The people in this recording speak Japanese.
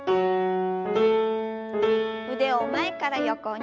腕を前から横に。